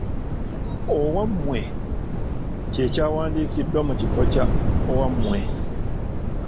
Owammwe kye kyandiwandiikiddwa mu kifo kya Owamwe.